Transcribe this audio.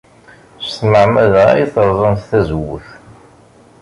S tmeɛmada ay terẓamt tazewwut.